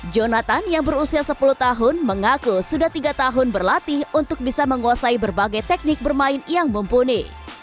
jonathan yang berusia sepuluh tahun mengaku sudah tiga tahun berlatih untuk bisa menguasai berbagai teknik bermain yang mumpuni